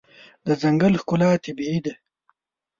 د ځنګل ښکلا طبیعي ده.